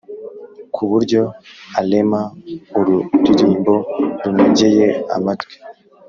ku buryo arema ururirimbo runogeyeamatwi.